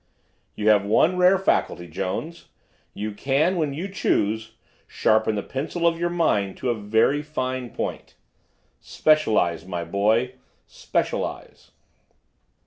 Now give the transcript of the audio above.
"You have one rare faculty, Jones. You can, when you choose, sharpen the pencil of your mind to a very fine point. Specialize, my boy, specialize."